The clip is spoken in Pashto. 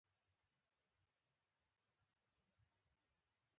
هغه باید وکولای شي خپله ښه او بد ژوند تعریف کړی.